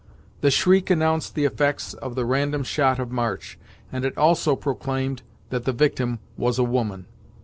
The shriek announced the effects of the random shot of March, and it also proclaimed that the victim was a woman.